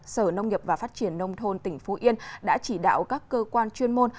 sở nông nghiệp và phát triển nông thôn tỉnh phú yên đã chỉ đạo các cơ quan chuyên môn